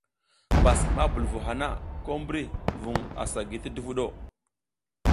Pas ma bul vu hana, ko mbri vuƞ asa gi ti duvuɗ o.